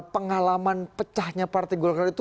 pengalaman pecahnya partai golkar itu